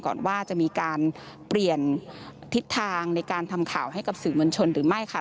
ก่อนว่าจะมีการเปลี่ยนทิศทางในการทำข่าวให้กับสื่อมวลชนหรือไม่ค่ะ